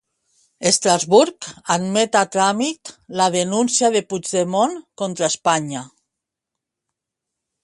Estrasburg admet a tràmit la denúncia de Puigdemont contra Espanya.